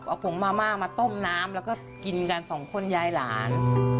เอาผงมาม่ามาต้มน้ำแล้วก็กินกันสองคนยายหลาน